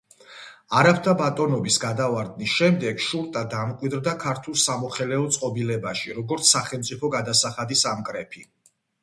არაბთა ბატონობის გადავარდნის შემდეგ შურტა დამკვიდრდა ქართულ სამოხელეო წყობილებაში როგორც სახელმწიფო გადასახადის ამკრეფი.